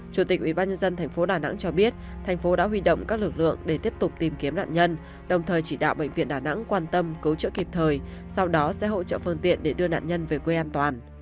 chủ tịch ubnd tp đà nẵng cho biết thành phố đã huy động các lực lượng để tiếp tục tìm kiếm nạn nhân đồng thời chỉ đạo bệnh viện đà nẵng quan tâm cứu chữa kịp thời sau đó sẽ hỗ trợ phương tiện để đưa nạn nhân về quê an toàn